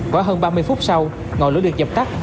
khoảng hơn ba mươi phút sau ngọn lửa được dập tắt